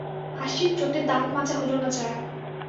হাসির চোটে দাত মাজা হল না জয়ার।